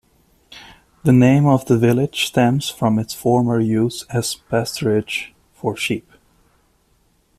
The name of the village stems from its former use as pasturage for sheep.